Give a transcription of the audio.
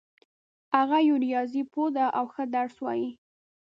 هغه یو ریاضي پوه ده او ښه درس وایي